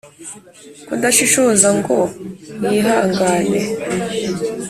kudashishoza ngo yihangane.